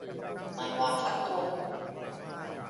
ไม่ว่าทางตรง